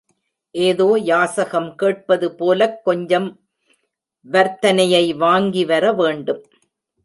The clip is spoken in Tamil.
ஏதோ யாசகம் கேட்பது போலக் கொஞ்சம் வர்த்தனையை வாங்கிவர வேண்டும்.